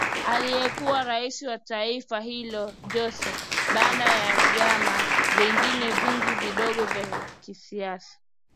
aliyekuwa rais wa taifa hilo Joyce Banda na vyama vingine vingi vidogo vya kisiasa